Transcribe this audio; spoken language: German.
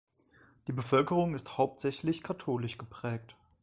Die Bevölkerung ist hauptsächlich katholisch geprägt.